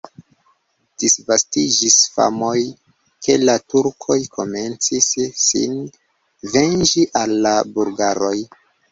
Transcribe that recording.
Disvastiĝis famoj, ke la turkoj komencis sin venĝi al la bulgaroj.